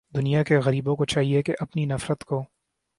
دنیا کے غریبوں کو چاہیے کہ اپنی نفرت کو